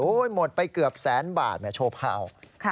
โอ้โฮหมดไปเกือบแสนบาทแม่โชว์เผ่า